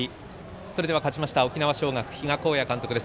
それでは勝ちました沖縄尚学、比嘉公也監督です。